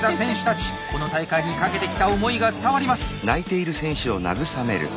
この大会にかけてきた思いが伝わります。